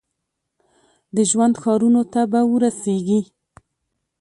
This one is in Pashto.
د ژوند ښارونو ته به ورسیږي ؟